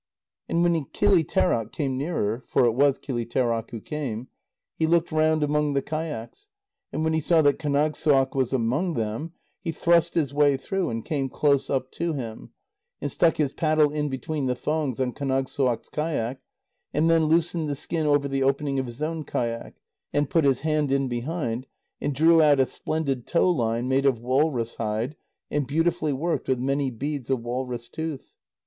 And when Kilitêraq came nearer for it was Kilitêraq who came he looked round among the kayaks, and when he saw that Kánagssuaq was among them, he thrust his way through and came close up to him, and stuck his paddle in between the thongs on Kánagssuaq's kayak, and then loosened the skin over the opening of his own kayak, and put his hand in behind, and drew out a splendid tow line made of walrus hide and beautifully worked with many beads of walrus tooth.